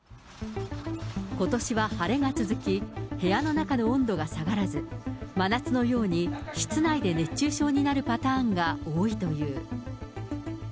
ことしは晴れが続き、部屋の中の温度が下がらず、真夏のように室内で熱中症になるパターンが多いという。